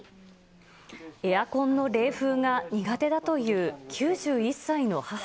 エアコンの冷風が苦手だという９１歳の母。